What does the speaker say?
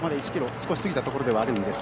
少し過ぎたところではあるのですが。